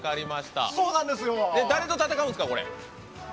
誰と戦うんですか？